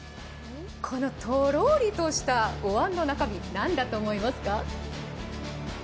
このとろりとしたおわんの中身何だと思いますか？